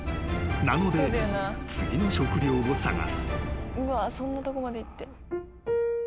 ［なので次の食料を探す］